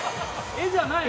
・絵じゃないよ